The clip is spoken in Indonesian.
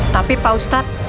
tapi pak ustadz